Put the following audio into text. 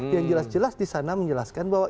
yang jelas jelas disana menjelaskan bahwa